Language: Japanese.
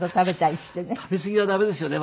食べ過ぎは駄目ですよね